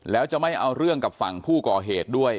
แล้วจะไม่เอาเรื่องกับฝั่งผู้ก่อเหตุด้วย